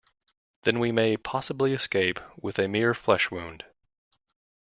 Then we may possibly escape with a mere flesh wound.